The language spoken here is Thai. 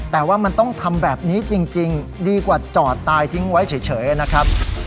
แต่ว่ามันต้องทำแบบนี้จริงดีกว่าจอดตายทิ้งไว้เฉยนะครับ